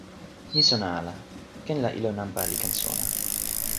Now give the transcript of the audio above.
mi sona ala. ken la ilo nanpa li ken sona.